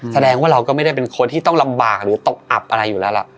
แสดงว่าเราก็ไม่ได้เป็นคนที่ต้องลำบากหรือตกอับอะไรอยู่แล้วล่ะ